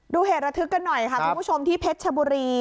เหตุระทึกกันหน่อยค่ะคุณผู้ชมที่เพชรชบุรี